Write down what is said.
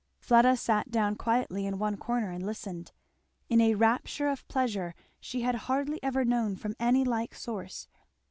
Fleda sat down quietly in one corner and listened, in a rapture of pleasure she had hardly ever known from any like source.